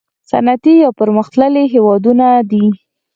صنعتي یا پرمختللي هیوادونه دي.